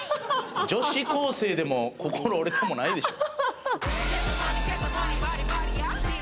女子高生でも、心折れてもないでしょ。